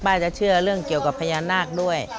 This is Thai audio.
จะเชื่อเรื่องเกี่ยวกับพญานาคด้วย